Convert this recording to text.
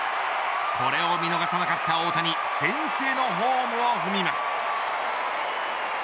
これを見逃さなかった大谷先制のホームを踏みます。